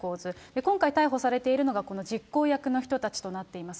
今回、逮捕されているのが、この実行役の人たちとなっています。